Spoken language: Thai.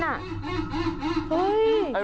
เห็นไหม